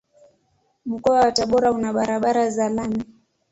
Mkoa wa Tabora una barabara za lami.